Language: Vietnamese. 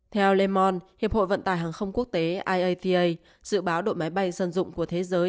theo le monde hiệp hội vận tài hàng không quốc tế iata dự báo đội máy bay dân dụng của thế giới